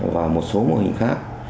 và một số mô hình khác